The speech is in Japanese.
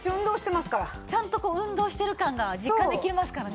ちゃんとこう運動してる感が実感できますからね。